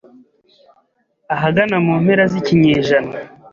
Ahagana mu mpera z’ikinyejana